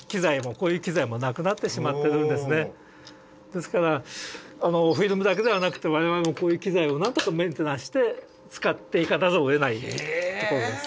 ですからフィルムだけではなくて我々もこういう機材をなんとかメンテナンスして使っていかざるをえないところです。